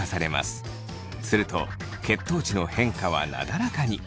すると血糖値の変化はなだらかに。